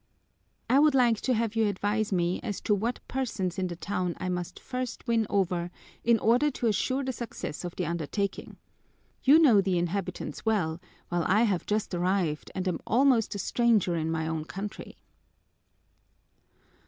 "I would like to have you advise me as to what persons in the town I must first win over in order to assure the success of the undertaking. You know the inhabitants well, while I have just arrived and am almost a stranger in my own country."